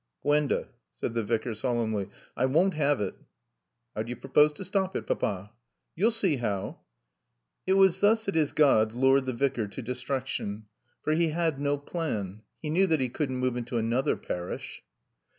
"Gwenda," said the Vicar solemnly. "I won't have it." "How do you propose to stop it, Papa?" "You'll see how." (It was thus that his god lured the Vicar to destruction. For he had no plan. He knew that he couldn't move into another parish.)